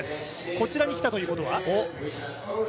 こちらにきたということは？